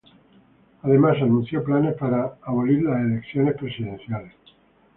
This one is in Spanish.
Además anunció planes para abolir las elecciones presidenciales.